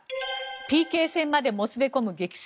ＰＫ戦までもつれ込む激戦。